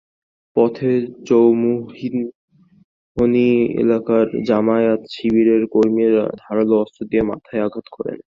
পথে চৌমুহনী এলাকায় জামায়াত-শিবিরের কর্মীরা ধারালো অস্ত্র দিয়ে তাঁর মাথায় আঘাত করেন।